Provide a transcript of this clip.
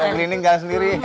beli ini enggak sendiri